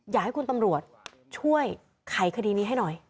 อยากให้คุณตำรวจช่วยไขคดีนี้ให้หน่อย